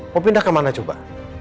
mau pindah kemana coba